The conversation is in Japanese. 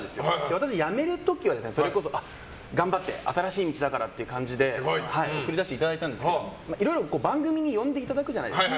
私、辞める時はそれこそ頑張って新しい道だからって感じで送り出していただいたんですけどいろいろ番組に呼んでいただくじゃないですか。